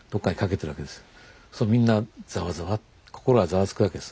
それみんなざわざわ心がざわつくわけです。